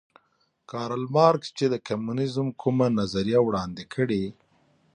کارل مارکس چې د کمونیزم کومه نظریه وړاندې کړې